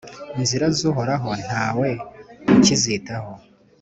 inzira z’Uhoraho nta we ukizitaho